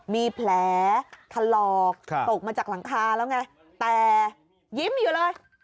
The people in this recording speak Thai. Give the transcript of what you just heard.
มีแผลถลอกตกมาจากหลังคาแล้วไงแต่ยิ้มอยู่เลย